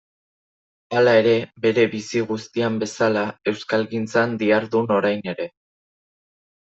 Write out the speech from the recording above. Hala ere, bere bizi guztian bezala, euskalgintzan dihardu orain ere.